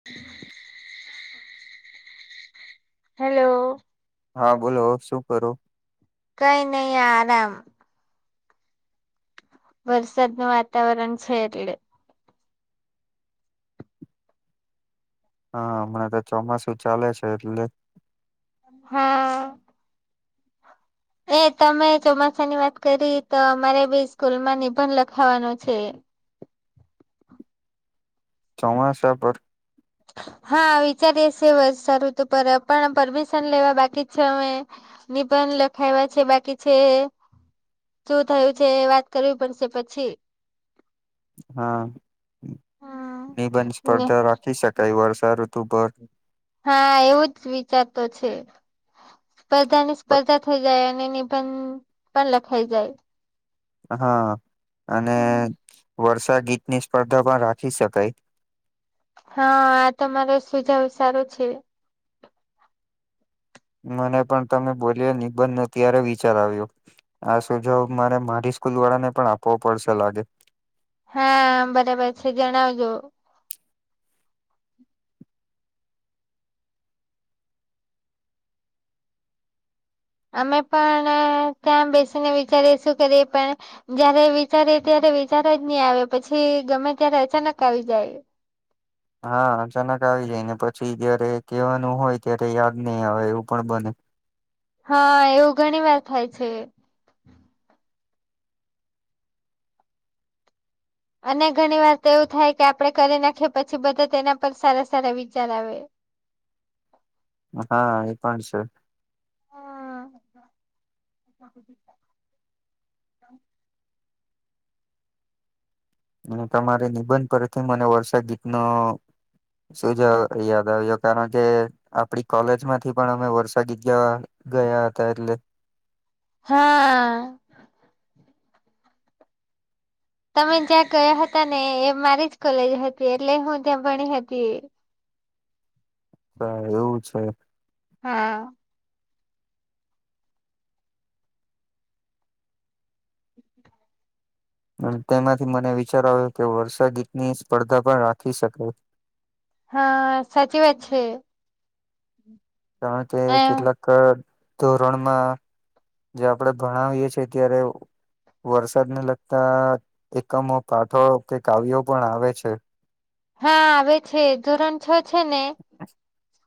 [inaudible] હાલો. હા, બોલો શું કરો? કઈ નહી આરામ. વરસાદ નું વાતાવરણ છે એટલે. હા, હમણાં તો ચોમાસું ચાલે છે એટલે હા. એ તમે ચોમાસાની વાત કરી તો અમારે બી સ્કૂલમાં નિબંધ લખાવાનો છે. ચોમાસા પર? હા વિચારીએ છીએ સારું તો પર પણ પરમિશન લેવા બાકી જ છે અમે. નિબંધ લખાવ્યા છે, બાકી છે. શું થયું છે એ વાત કરવી પડશે પછી. હા, નિબંધ ને સ્પર્ધા રાખી શકાય વર્ષાઋતુ પર. હા એવું જ વિચારતો છે. સ્પર્ધા ની સ્પર્ધા થઈ જાય અને એની બંધ પણ લખાઈ જાય. હા અને વર્ષા ગીતની સ્પર્ધા પણ રાખી શકાય. હા, આ તમારો સુજાવ સારું છે. મને પણ તમે બોલ્યા નિબંધ અત્યાર વિચાર આવ્યો. આ સુજાવ મારે મારી સ્કૂલ વાળા ને પણ આપવો પડશે લાગે. હા, બરાબર છે જણાવજો. અમે પણ ત્યાં બેસીને વિચારીએ શું કરીએ, પણ જયારે વિચારે ત્યારે વિચાર જ નહી આવે, પછી ગમે ત્યારે અચાનક આવી જાય. હા અચાનક આવી જાય, ને પછી જયારે કહેવાનું હોય, ત્યારે યાદ નહી આવે, એવું પણ બને. હા, એવું ઘણી વાર થાય છે. અને ઘણી વાર તો એવું થાય, કે આપડે કરી નાખીએ, પછી બધા તેના પર સારા સારા વિચાર આવે. હા, એ પણ છે. હમ્મ અને તમારે નિબંધ પરીથી મને વર્ષાગીતનો સુજાવ યાદ આવ્યો, કારણ કે આપડી કોલેજમાંથી પણ અમે વર્ષાગીત ગવા ગયા હતા, એટલે હા તમે જ્યાં ગયા હતા ને, એ મારી જ કોલેજ હતી, એટલે હું ત્યાં ભણી હતી. તો, એવું છે. હા તેમાંથી મને વિચાર આવ્યો, કે વર્ષાગીતની સ્પર્ધા પણ રાખી શકાય. હા, સાચી વાત છે. કારણ કે, એમ કેટલાક ધોરણમાં જે આપણે ભણાવીએ છીએ, ત્યારે ઓ વરસાદને લગતા, એકમો પાઠો, કે કાવ્યો પણ આવે છે. હા આવે છે, ધોરણ છ છેને [inaudible]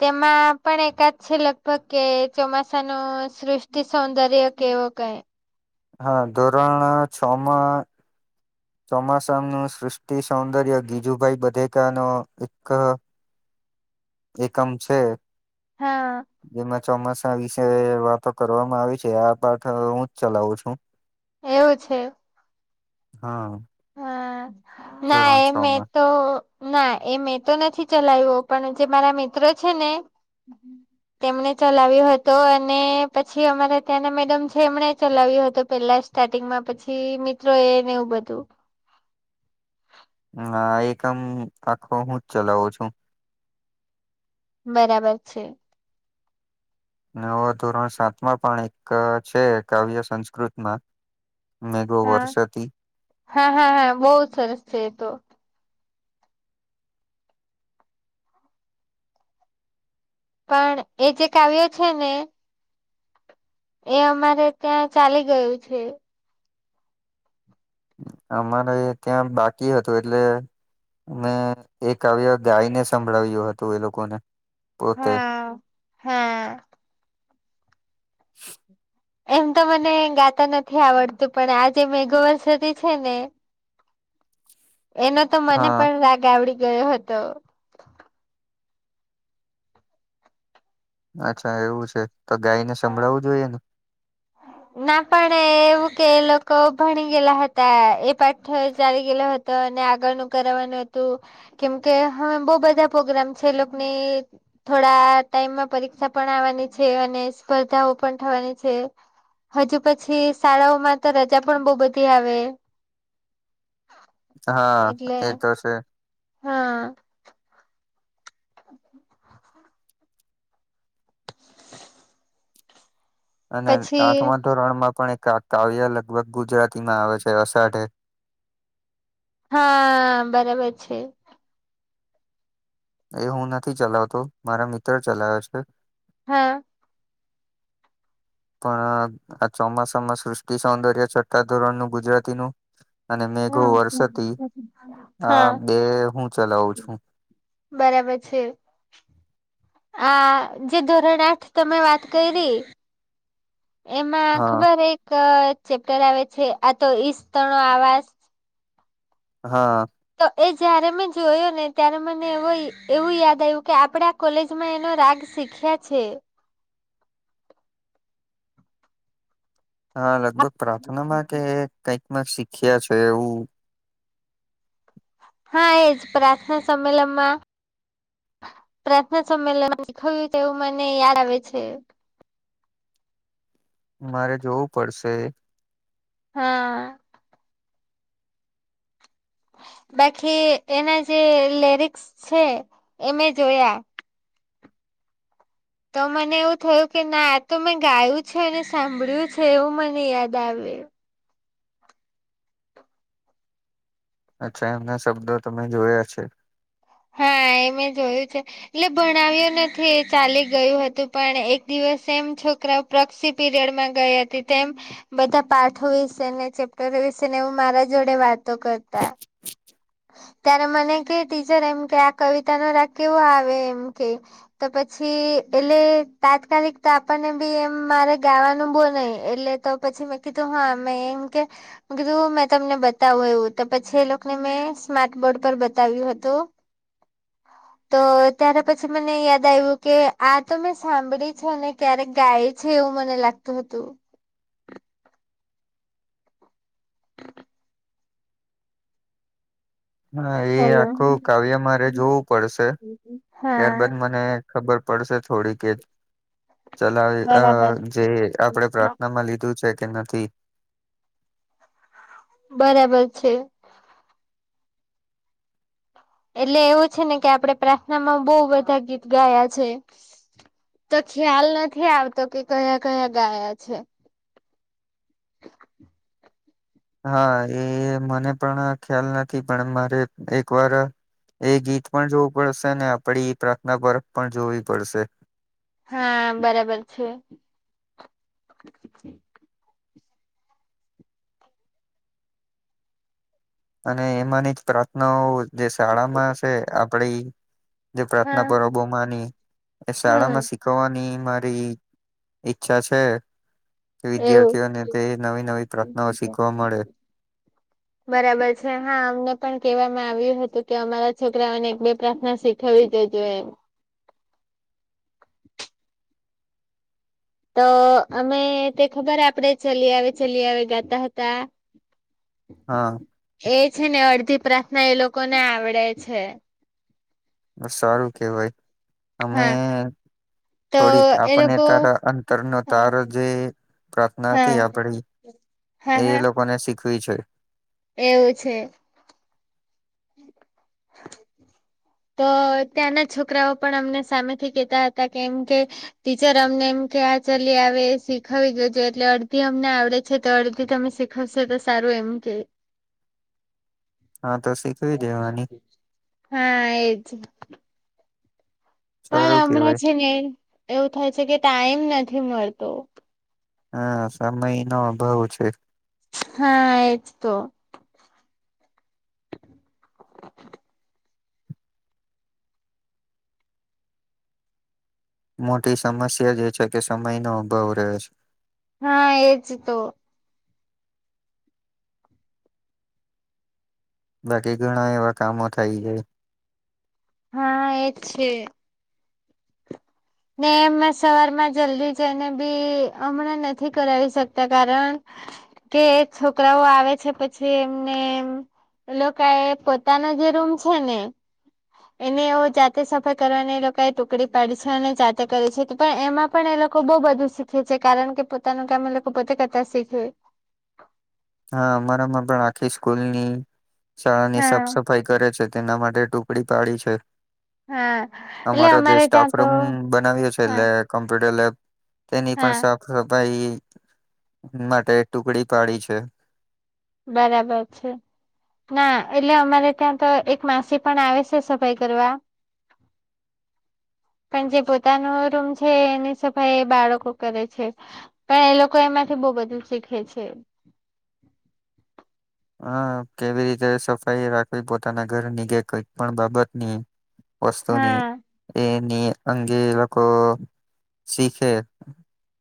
તેમાં પણ એકાદ છે, લગભગ કે ચોમાસાનું સૃષ્ટિ સૌંદર્ય કે એવું કંઈ. હા ધોરણ છમાં ચોમાસાનું સૃષ્ટિ સૌંદર્ય, ગીજુભાઈ બધેકાનું એક એકમ છે, હા જેમાં ચોમાસા વિશે વાતો કરવામાં આવી છે, આ પાઠ હું જ ચલાવું છું. એવું છે. હા. હા, ના ધોરણ એ છ મેં માં. તો ના એ મેં તો નથી ચલાવ્યો, પણ જે મારા મિત્રો છે ને [inaudible] તેમણે ચલાવ્યો હતો, અને પછી અમારા ત્યાંના મેડમ છે, એમણે ચલાવ્યો હતો, પેલા જ સ્ટાર્ટિંગમાં, પછી મિત્રોએ ને એવું બધું. ના એકમ, આખો હું જ ચલાવું છું. બરાબર છે. ને હવે ધોરણ સાતમાં પણ એક છે, કાવ્ય સંસ્કૃતમાં મેઘો હા વર્ષતી હા હા હા, બહુ સરસ છે એ તો. પણ એ જે કાવ્ય છે ને એ અમારે ત્યાં ચાલી ગયું છે. અમારે ત્યાં બાકી હતું, એટલે મેં એ કાવ્ય ગાયને સંભળાવ્યું હતું એ લોકોને, પોતે હ હા એમ તો મને ગાતા નથી આવડતું, પણ આ જે મેઘો વર્ષતી છે ને એનો તો મને હા પણ રાગ આવડી ગયો હતો. અચ્છા એવું છે તો ગાયને સંભળાવવું જોઈએ ને? ના પણ એવું કે એ લોકો ભણી ગેલા હતા એ પાઠ ચાલી ગેલો હ તો એને આગળનું કરવાનું હતું કેમકે [unintelligible] બો બધા પ્રોગ્રામ છે એ લોકની થોડા ટાઈમમાં પરીક્ષા પણ આવવાની છે અને સ્પર્ધાઓ પણ થવાની છે. હજુ પછી શાળાઓમાં તો રજા પણ બો બધી આવે. હા એટલે એતો છે. હા. [inaudible] અને પછી આઠમા ધોરણ માં પણ એક કા કાવ્ય લગભગ ગુજરાતી માં આવે છે અષાઢે? હાં બરાબર છે. એ હું નથી ચલાવતો મારા મિત્ર ચલાવે છે. હા. [inaudible] પણ અ આ ચોમાસામાં સૃષ્ટિ સૌંદર્ય છઠ્ઠા ધોરણ નું ગુજરાતી નું અને મેઘો વર્ષતી આ હા બે હું ચલાવું છું. બરાબર છે. આ જે ધોરણ આઠ તમે વાત કયરિ એમાં હા ખબર એક અ ચેપ્ટર આવે છે આ તો ઈશ તણો આવાસ? હા. તો એ જયારે મેં જોયો ને ત્યારે મને એવો એવું યાદ આવ્યું કે આપડા કોલેજ માં એનો રાગ શીખ્યા છે. હા લગભગ પ્રાર્થનામાં કે કઈક માં શીખ્યા છે એવું? હા એજ પ્રાર્થના સંમેલનમાં પ્રાર્થના [unintelligible] મને યાદ આવે છે. મારે જોવું પડશે. હા. બાકી એના જે લેરિક્સ છે એ મેં જોયા. તો મને એવું થયું કે ના આતો મેં ગાયું છે અને સાંભળ્યું છે એવું મને યાદ આવે. અચ્છા એમના શબ્દો તમે જોયા છે. હાં એ મે જોયું છે. એટલે ભણાવ્યો નથી એ ચાલી ગયું હતું પણ એક દિવસ એમ છોકરા પ્રક્ષી પીરિયડમાં ગઈ હતી તેમ બધા પાઠો વિશે ને ચેપ્ટર વિશે ને એવું મારા જોડે વાતો કરતા ત્યારે મને કે ટીચર એમ કે આ કવિતા નો રાગ કેવો આવે એમ કે તો પછી એટલે તાત્કાલિક તો આપણને બી એમ મારે ગાવાનું બોઉ નહીં એટલે તો પછી મેં કીધું હ મેં એમ કે [unintelligible] કીધું મેં તમને બતાવું એવું તો પછી એલોકને મેં સ્માર્ટ બોર્ડ પર બતાવ્યું હતું. [inaudible] તો ત્યારે પછી મને યાદ આયવુ કે આ તો મેં સાંભળી છે અને ક્યારેક ગાય છે એવું મને લાગતુ હતું. હા એ હેલો આખું કાવ્ય મારે જોવું પડશે ત્યારબાદ હા મને ખબર પડશે થોડી [unintelligible] ચલાવી બરાબર [unintelligible] જે આપડે પ્રાર્થનામાં લીધું છે કે નથી? બરાબર છે. એટલે એવું છે ને કે આપડે પ્રાર્થનામાં બહુ બધા ગીત ગાયા છે. તો ખ્યાલ નથી આવતો કે કયા કયા ગાયા છે. હા એ મને પણ અ ખ્યાલ નથી પણ મારે એક વાર એ ગીત પણ જોવું પડશે ને આપડી પ્રાર્થના પરખ પણ જોવી પડશે હા બરાબર છે. અને એમાની જ પ્રાર્થનાઓ જે શાળામાં સે આપડી જે પ્રાર્થના હા પરબો માની એ શાળા હમ માં શી થવાની ની મારી ઈચ્છા છે. તે એવું. વિદ્યાર્થીઓને તે નવી નવી પ્રાર્થનાઓ શીખવા મળે. બરાબર છે હા અમને પણ કેવામાં આવ્યું હતું કે અમારા છોકરાઓને એક બે પ્રાર્થના શીખ થવી જેજો એમ તો અમે તે ખબર આપડે ચલી આવે ચલી આવે ગાતા હતા હા. એ છે ને અડધી પ્રાર્થના એ લોકો ને આવડે છે. સારું કેવાય અમે હા. તો થોડી એ આપને લોકો તારા અંતરનો હા તારો જે પ્રાર્થના હતી હા આપડી એ હા લોકોને શીખવી છે. એવું છે. [inaudible] તો ત્યાંના છોકરાઓ પણ અમને સામેથી કેતા હતા કેમ કે ટીચર અમને એમ કે હા ચલી આવે શીખાવી દેજો એટલે અડધી અમને આવડે છે તો અડધી તમે શીખ હશે તો સારું એમ કે હા તો શી હા એજ પણ સારું હમણાં કેવાય છે ને એવું થાય છે કે ટાઈમ નથી મળતો હા સમય નો અભાવ છે. હા એજ તો મોટી સમસ્યા એજ છે કે સમય નો અભાવ રહે છે. હા એજ તો બાકી ઘણા એવા કામો થાય જાય હા એ જ છે. ને એમાં સવારમાં જલ્દી જઈને બી હમણાં નથી કરાવી શકતા કારણ કે છોકરાઓ આવે છે પછી એમને એમ એ લોકો એ પોતાનો જે રૂમ છે ને એને એવુ જાતે સફાય કરવાની એ લોકો એ ટુકડી પાડી છે અને જાતે કરે છે પણ એમાં પણ એ લોકો બોવ બધું શીખે છે કારણ કે પોતાનું કામ એ લોકો પોતે કરતા શીખે હા અમારામાં પણ આખી સ્કૂલની શાળાની હા સાફ સફાઈ કરે છે તેના માટે ટૂક ડી પાડી છે હા એટલે અમારો જે અમારે ત્યાં તો સ્ટાફરૂમ બનાવ્યો છે હા એટલે કોમ્પ્યુટર લેબ તેની પણ હા સાબ સફાઈ માટે ટુકડી પાડી છે. બરાબર. ના એટલે અમારે ત્યાં તો એક માસી પણ આવે છે સફાઈ કરવા [inaudible] પણ જે પોતાનો રૂમ છે એની સફાઈ બાળકો કરે છે. પણ એ લોકો એમાંથી બહું બધું શીખે છે. હા કેવી રીતે સફાઈ રાખવી પોતાના ઘરની કે કઈક પણ બાબત ની, વસ્તુની હા એની અંગે લોકો શીખે.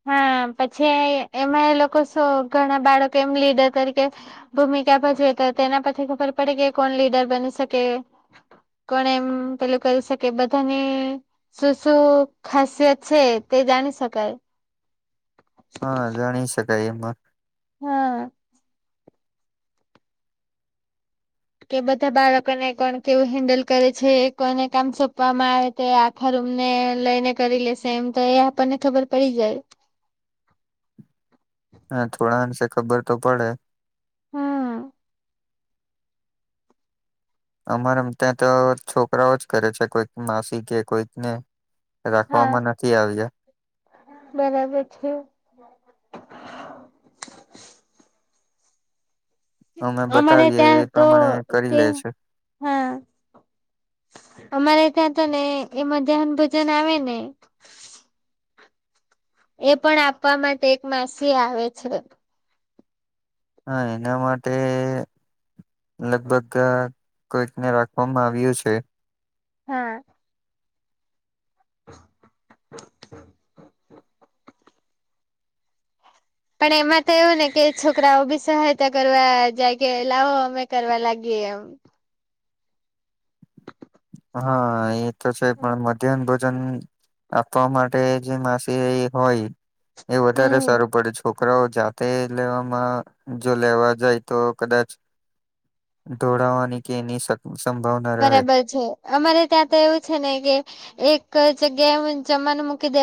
હા પછી એમાં એ લોકો સુ ઘણા બાળકો એમ લીડર તરીકે, ભૂમિકા ભજવે તો તેના પછી ખબર પડે કે કોણ લીડર બની શકે. કોણે એમ પેલું કરી શકે બધાને. શું શું ખાસિયત છે, તે જાણી શકાય. હા જાણી શકાય એમાં. હાંઆ. કે બધા બાળકોને કોણ કેવું હેન્ડલ કરે છે કોને કામ સોંપવામાં આવે? તે આખા રૂમ ને લઈને કરી લેશે એમ તો એ આપણને ખબર પડી જાય. હા થોડા અંશે ખબર તો પડે. હમ. અમારામ ત્યાં તો છોકરાઓ જ કરે છે કોઈક માસી કે કોઈક ને, હા રાખવામાં નથી આવ્યા. બરાબર છે. [unintelligible] અમે અમારે બતાવીએ ત્યાં એ તો પ્રમાણે કરી તે લે છે. હા અમારે ત્યાં છે ને એ મધ્યાહન ભોજન આવે ને એ પણ આપવા માટે એક માસી આવે છે. હા એના માટે લગભગ કોઈકને રાખવામાં આવ્યું છે. હા. [unintelligible] પણ એમાં તો એવું ને કે છોકરાઓ બી સહાયતા કરવા જાય કે લાવો અમે કરવા લાગીએ એમ. હા, એ તો છે પણ મધ્યાહન ભજ [inaudible] જ્ન આપવા માટે જે માસી હોય, એ વધારે હમ સારું પડે છોક છોકરાઓ જાતે લેવામાં જો લેવા જાય તો કદાચ ઠોળાવાની કે એની શક સંભાવના રહે બરાબર છે. અમારે ત્યાં તો એવું છે ને કે એક જગ્યાએ હું જમાનું મૂકી દે